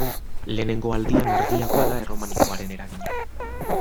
Lehenengo aldian argiagoa da erromanikoaren eragina.